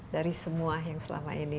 dari semua yang selama ini